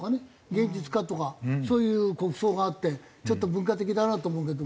芸術家とかそういう国葬があってちょっと文化的だなと思うけども。